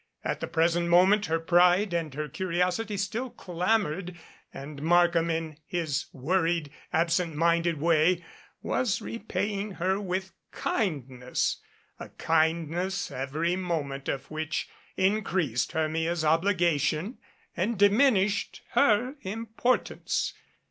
At the present moment her pride and her curiosity still clamored and Markham in his worried, absent minded way was repaying her with kindness a kindness every moment of which increased Hermia's ob ligation and diminished her importance.